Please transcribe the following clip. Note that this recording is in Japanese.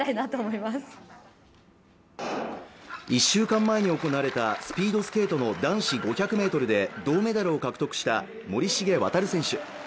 １週間前に行われたスピードスケートの男子５００ｍで銅メダルを獲得した森重航選手